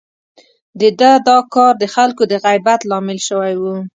د ده دا کار د خلکو د غيبت لامل شوی و.